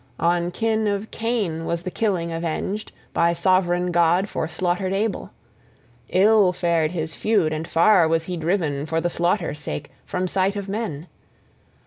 On kin of Cain was the killing avenged by sovran God for slaughtered Abel. Ill fared his feud, {1f} and far was he driven, for the slaughter's sake, from sight of men.